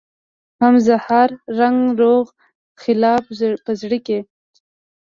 هم هزار رنګه دروغ خلاف په زړه کې